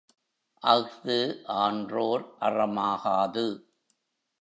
அஃது ஆன்றோர் அறமாகாது.